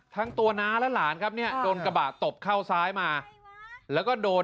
ทั้งตัวน้าและหลานครับเนี่ยโดนกระบะตบเข้าซ้ายมาแล้วก็โดน